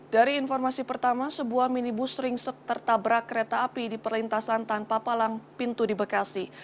dari informasi pertama sebuah minibus ringsek tertabrak kereta api di perlintasan tanpa palang pintu di bekasi